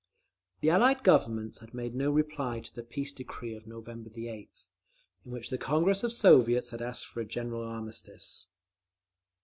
The Allied Governments had made no reply to the Peace decree of November 8th, in which the Congress of Soviets had asked for a general armistice.